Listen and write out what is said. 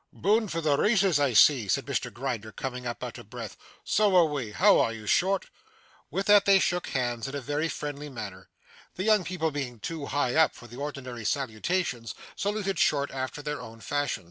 'Bound for the races, I see,' said Mr Grinder coming up out of breath. 'So are we. How are you, Short?' With that they shook hands in a very friendly manner. The young people being too high up for the ordinary salutations, saluted Short after their own fashion.